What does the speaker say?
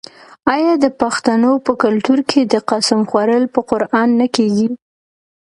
آیا د پښتنو په کلتور کې د قسم خوړل په قران نه کیږي؟